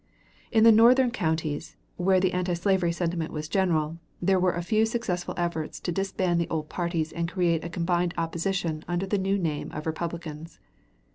In the northern counties, where the antislavery sentiment was general, there were a few successful efforts to disband the old parties and create a combined opposition under the new name of Republicans.